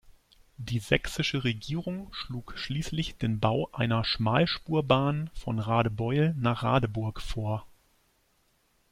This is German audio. Die sächsische Regierung schlug schließlich den Bau einer Schmalspurbahn von Radebeul nach Radeburg vor.